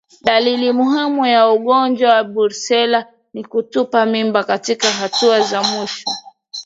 Dalili muhimu ya ugonjwa wa Brusela ni kutupa mimba katika hatua za mwisho